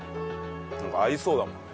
なんか合いそうだもんね